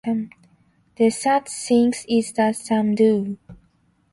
The sad thing is that some do.